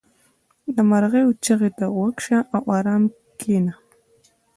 • د مرغیو چغې ته غوږ شه او آرام کښېنه.